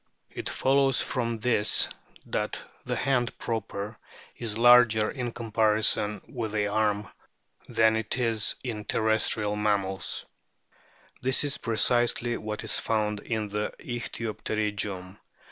It follows from this that the hand proper is larger in comparison with the arm than it is in terrestrial THE EXTERNAL FORM OF WHALES 19 mammals. This is precisely what is found in the ichthyopterygium.